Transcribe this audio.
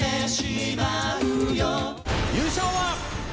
優勝は？